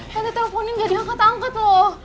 tante teleponin gak diangkat angkat loh